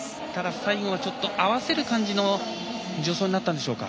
最後は、ちょっと合わせる感じの助走になったんでしょうか？